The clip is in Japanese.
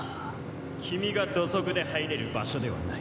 君が土足で入れる場所ではない。